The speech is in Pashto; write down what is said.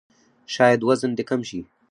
شاید وزن دې کم شي!